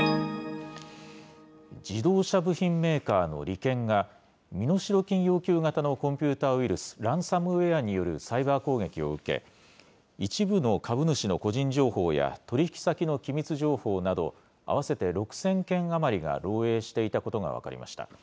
自動車部品メーカーのリケンが、身代金要求型のコンピューターウイルス、ランサムウエアによるサイバー攻撃を受け、一部の株主の個人情報や取り引き先の機密情報など、合わせて６０００件余りが漏えいしていたことが分かりました。